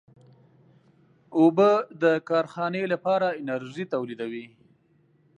اوبه د کارخانې لپاره انرژي تولیدوي.